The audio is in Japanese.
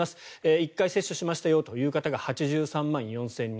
１回接種しましたよという方が８３万４０００人。